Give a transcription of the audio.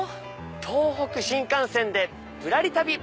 東北新幹線でぶらり旅！